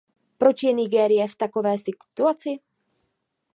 Proč je Nigérie v takové situaci?